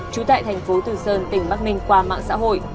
trú tại thành phố từ sơn tỉnh bắc ninh qua mạng xã hội